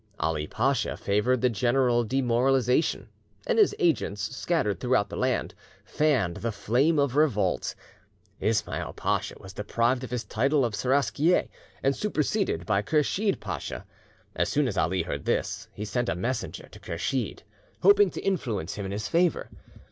Ali Pacha favoured the general demoralisation; and his agents, scattered throughout the land, fanned the flame of revolt. Ismail Pacha was deprived of his title of Seraskier, and superseded by Kursheed Pacha. As soon as Ali heard this, he sent a messenger to Kursheed, hoping to influence him in his favour.